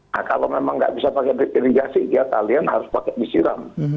nah kalau memang nggak bisa pakai irigasi ya kalian harus pakai disiram